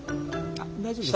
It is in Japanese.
あっ大丈夫です。